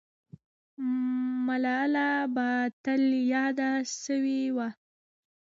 ملاله به تل یاده سوې وه.